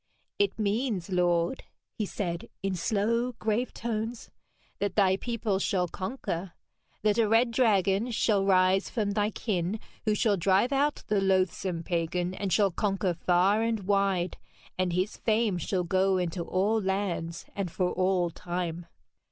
'It means, lord,' he said in slow grave tones, 'that thy people shall conquer that a red dragon shall rise from thy kin, who shall drive out the loathsome pagan and shall conquer far and wide, and his fame shall go into all lands and for all time.'